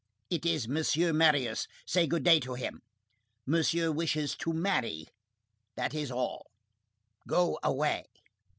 It is Monsieur Marius. Say good day to him. Monsieur wishes to marry. That's all. Go away."